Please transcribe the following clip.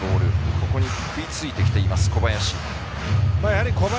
ここに食いついてきています小林。